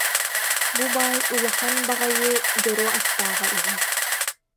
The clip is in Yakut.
Бу баай улахан баҕайы дьоруо аттааҕа үһү